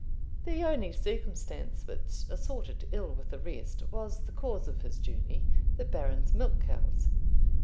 The only circumstance which assorted ill with the rest was the cause of his journey the Baron's milk cows!